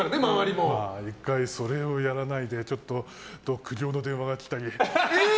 １回、それをやらないでちょっと苦情の電話が来たり。